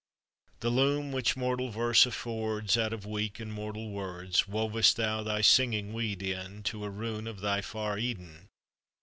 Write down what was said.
The loom which mortal verse affords, Out of weak and mortal words, Wovest thou thy singing weed in, To a rune of thy far Eden.